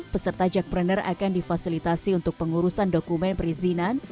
peserta jackpreneur akan difasilitasi untuk pengurusan dokumen perizinan